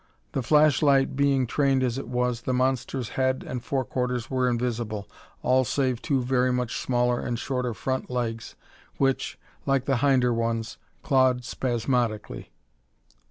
The flashlight being trained as it was, the monster's head and forequarters were invisible, all save two very much smaller and shorter front legs which, like the hinder ones, clawed spasmodically.